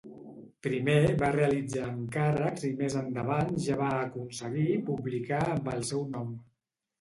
Primer va realitzar encàrrecs i més endavant ja va aconseguir publicar amb el seu nom.